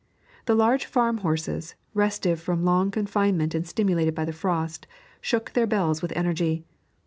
The large farm horses, restive from long confinement and stimulated by the frost, shook their bells with energy.